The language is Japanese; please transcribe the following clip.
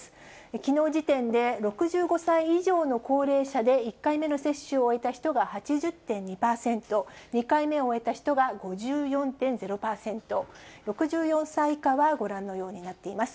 きのう時点で６５歳以上の高齢者で１回目の接種を終えた人が８０．２％、２回目を終えた人が５４．０％、６４歳以下はご覧のようになっています。